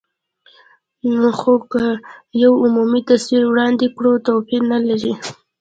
خو که یو عمومي تصویر وړاندې کړو، توپیر نه لري.